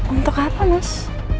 untuk apa mas